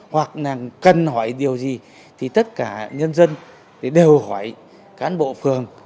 hoặc là cần hỏi điều gì thì tất cả nhân dân đều hỏi cán bộ phường